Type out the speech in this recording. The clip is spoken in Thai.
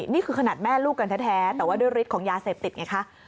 นี่คือขนาดแม่ลูกกันแท้แต่ว่าด้วยฤทธิ์ของยาเสพติดไงคะ